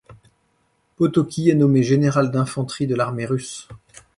Potocki est nommé général d'infanterie de l'armée russe.